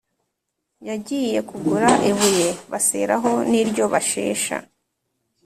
yagiye kugura ibuye baseraho n’iryo bashesha